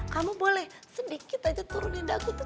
kamu boleh sedikit aja turunin aku tuh